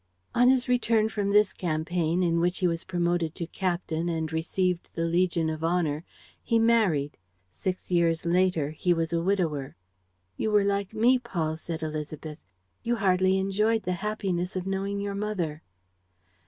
... On his return from this campaign, in which he was promoted to captain and received the Legion of Honor, he married. Six years later he was a widower." "You were like me, Paul," said Élisabeth. "You hardly enjoyed the happiness of knowing your mother."